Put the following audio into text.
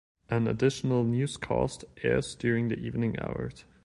An additional newscast airs during the evening hours.